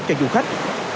cho du khách